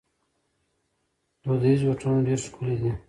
دودیز هوټلونه ډیر ښکلي دي.